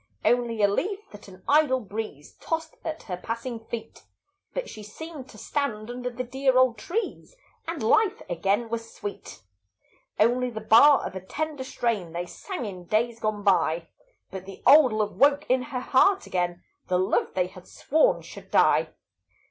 Only a leaf that an idle breeze Tossed at her passing feet; But she seemed to stand under the dear old trees, And life again was sweet. Only the bar of a tender strain They sang in days gone by; But the old love woke in her heart again, The love they had sworn should die.